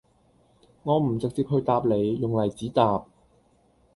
我唔直接去答你,用例子答